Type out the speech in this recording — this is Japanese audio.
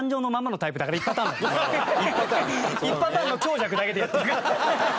１パターンの強弱だけでやってく。